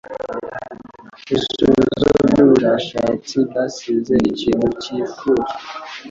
Ibisubizo byubushakashatsi byasize ikintu cyifuzwa.